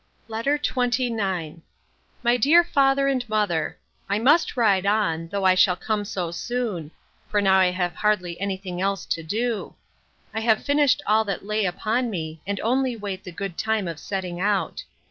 LETTER XXIX MY DEAR FATHER AND MOTHER, I must write on, though I shall come so soon; for now I have hardly any thing else to do. I have finished all that lay upon me, and only wait the good time of setting out.